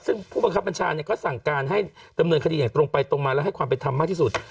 ซึ่งผู้บังคับบัญชาเนี่ยก็สั่งการให้ดำเนินคดีอย่างตรงไปตรงมาแล้วให้ความเป็นธรรมมากที่สุด